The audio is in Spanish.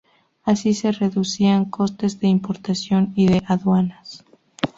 Así se reducía costes de importación y de aduanas.